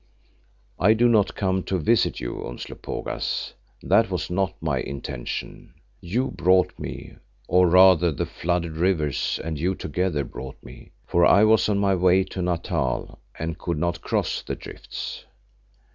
"I do not come to visit you, Umslopogaas. That was not my intention. You brought me, or rather the flooded rivers and you together brought me, for I was on my way to Natal and could not cross the drifts."